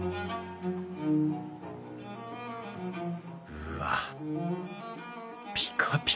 うわっピカピカだ。